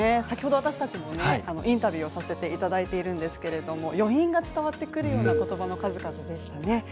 先ほど私たちもインタビューさせていただいているんですが余韻が伝わってくるような言葉の数々でしたね。